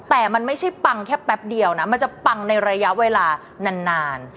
แต่มันไม่ใช่ปังแค่แป๊บเดียวนะมันจะปังในระยะเวลานาน